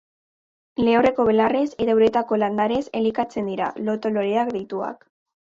Lehorreko belarrez eta uretako landareez elikatzen dira, loto loreak deituak.